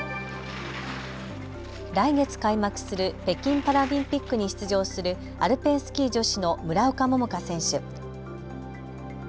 来月開幕する北京パラリンピックに出場するアルペンスキー女子の村岡桃佳選手。